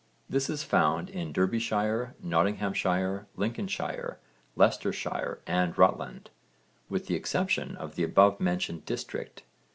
This is found in Derbyshire, Nottinghamshire, Lincolnshire, Leicestershire and Rutland, with the exception of the above mentioned district.